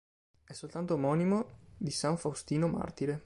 È soltanto omonimo di San Faustino martire.